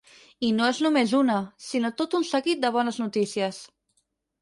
I no és només una, sinó tot un seguit de bones notícies.